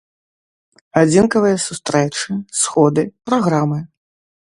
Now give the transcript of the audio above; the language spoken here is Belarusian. Адзінкавыя сустрэчы, сходы, праграмы.